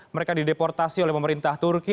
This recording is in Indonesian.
mereka dideportasi oleh pemerintah turki